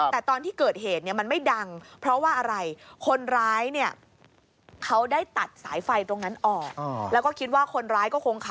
แต่ตอนที่เกิดเหตุมันไม่ดัง